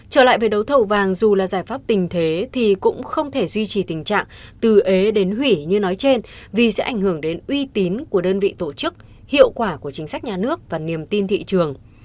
trở lại về đấu thầu vàng dù là giải pháp tình thế thì cũng không thể duy trì tình trạng từ ế đến hủy như nói trên vì sẽ ảnh hưởng đến uy tín của đơn vị tổ chức hiệu quả của chính sách nhà nước và niềm tin thị trường